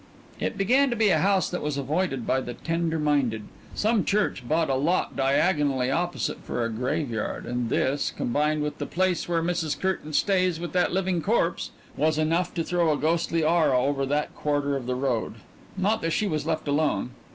It began to be a house that was avoided by the tender minded some church bought a lot diagonally opposite for a graveyard, and this, combined with "the place where Mrs. Curtain stays with that living corpse," was enough to throw a ghostly aura over that quarter of the road. Not that she was left alone.